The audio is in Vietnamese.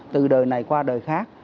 từ đời này qua đời khác